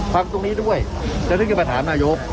ฝากตรงนี้ด้วยก็ทุกคนไปถามนายก